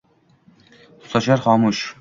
Sochar xomush